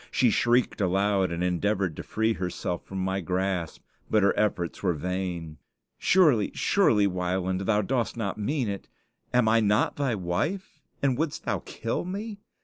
She shrieked aloud, and endeavored to free herself from my grasp; but her efforts were vain. "Surely, surely, Wieland, thou dost not mean it. Am I not thy wife? and wouldst thou kill me?